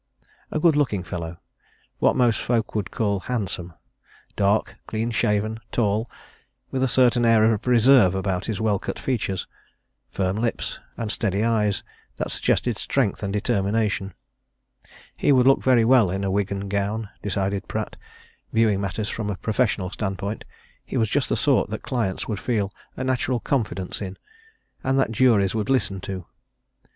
A good looking fellow; what most folk would call handsome; dark, clean shaven, tall, with a certain air of reserve about his well cut features, firm lips, and steady eyes that suggested strength and determination. He would look very well in wig and gown, decided Pratt, viewing matters from a professional standpoint; he was just the sort that clients would feel a natural confidence in, and that juries would listen to.